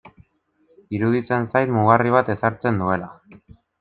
Iruditzen zait mugarri bat ezartzen duela.